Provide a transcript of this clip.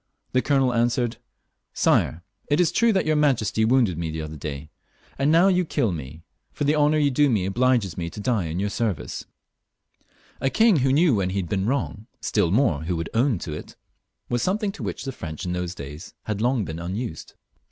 The colonel answered, *' Sire, it is true that your majesty wounded me 302 HENRY IV. [CH. the other day, tod now you kill me, for the honour you do me obliges me to die in your service." A king who knew when he had been wrong, still more, who would own it, was something to which the French in those days had long been unused.